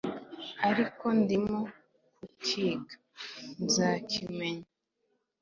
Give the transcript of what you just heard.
Ariko ndimo kukiga, nzakimenya.